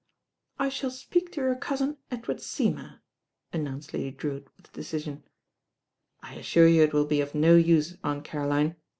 "I shall speak to your cousin Edward Seymour," announced Lady Drewitt with decision. "I assure you it will be of no use, Aunt Caroline.